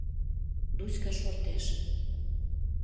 Дуська шортеш.